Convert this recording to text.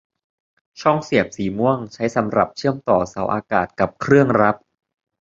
ช่องเสียบสีม่วงใช้สำหรับเชื่อมต่อเสาอากาศกับเครื่องรับ